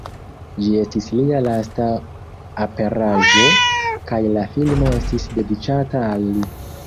Ĝi estis lia lasta aperaĵo, kaj la filmo estis dediĉata al li.